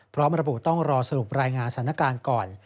พร้อมระบุต้องรอสรุปรายงานสถานการณ์ก่อน